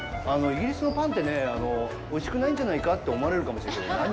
イギリスのパンってね、おいしくないんじゃないかって思われるかもしれないけど何？